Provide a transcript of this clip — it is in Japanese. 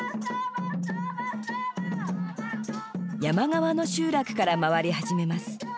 山側の集落から回り始めます。